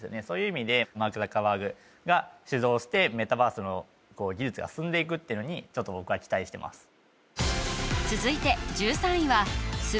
そういう意味でマーク・ザッカーバーグが主導してメタバースの技術が進んでいくっていうのにちょっと僕は期待してます